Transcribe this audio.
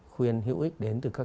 khuyên hữu ích đến từ các